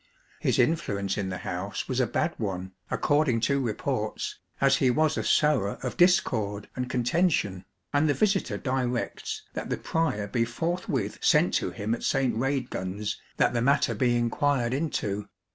His in fluence in the house was a bad one, according to reports, as he was a sower of discord and contention, and the visitor directs that the prior be forthwith sent to him at St. Radegund's that the matter be inquired into.